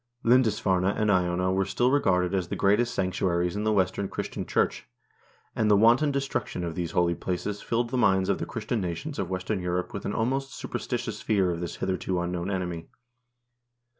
Lindisf arne and Iona were still regarded as the greatest sanctuaries in the western Christian Church, and the wanton destruction of these holy places filled the minds of the Christian nations of western Europe with an almost superstitious fear of this hitherto unknown enemy.